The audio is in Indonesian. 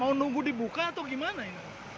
mau nunggu dibuka atau gimana ini